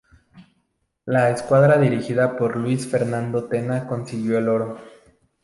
La escuadra dirigida por Luis Fernando Tena consiguió el oro.